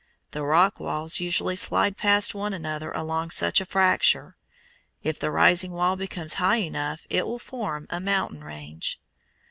The rock walls usually slide past one another along such a fracture. If the rising wall becomes high enough it will form a mountain range.